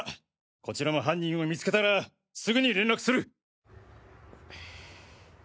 こちらも犯人を見つけたらすぐに連絡する。